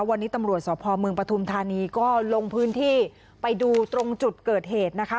วันนี้ตำรวจสพเมืองปฐุมธานีก็ลงพื้นที่ไปดูตรงจุดเกิดเหตุนะคะ